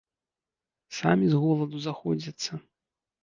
Самі з голаду заходзяцца.